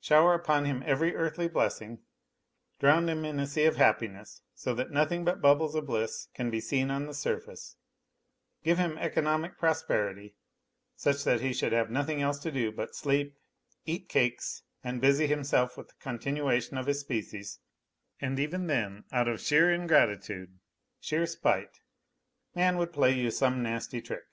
Shower upon him every NOTES FROM UNDERGROUND 73 earthly blessing, drown him in a sea of happiness, so that nothing but bubbles of bliss can be seen on the surface; give him economic prosperity, such that he should have nothing else to do but sleep, eat cakes and busy himself with the continuation of his species, and even then out of sheer ingratitude, sheer spite, man would play you some nasty trick.